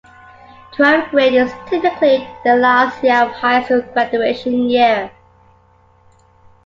Twelfth grade is typically the last year of high school; graduation year.